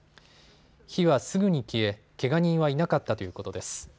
火はすぐに消え、けが人はいなかったということです。